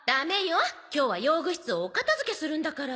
今日は用具室をお片づけするんだから。